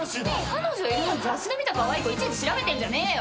彼女いるのに雑誌で見たカワイイ子いちいち調べてんじゃねえよ！？